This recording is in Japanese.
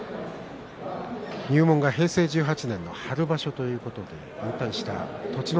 入門が平成１８年の春場所ということで引退した栃ノ